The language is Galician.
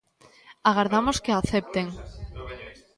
Agardamos que a acepten.